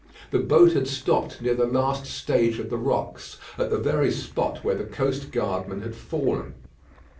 The boat had stopped near the last stage of the rocks, at the very spot where the coast guardman had fallen.